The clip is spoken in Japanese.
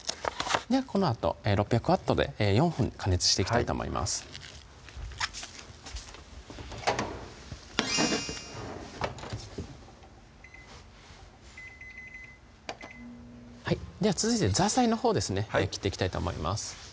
このあと６００Ｗで４分加熱していきたいと思いますでは続いてザーサイのほうですね切っていきたいと思います